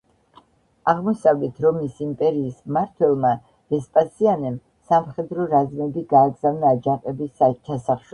აღმოსავლეთ რომის იმპერიის მმართველმა ვესპასიანემ სამხედრო რაზმები გააგზავნა აჯანყების ჩასახშობად.